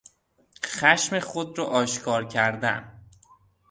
خشم خود را آشکار کردن